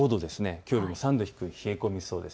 きょうよりも３度低く冷え込みそうです。